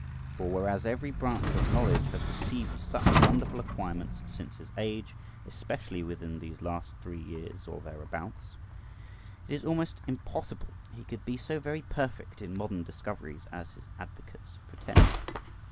For whereas every branch of knowledge has received such wonderful acquirements since his age, especially within these last three years or thereabouts, it is almost impossible he could be so very perfect in modern discoveries as his advocates pretend.